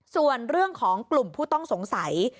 ส่วนเรื่องของกลุ่มผู้ต้องสงสัย